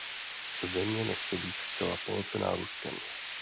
Země nechce být zcela pohlcena Ruskem.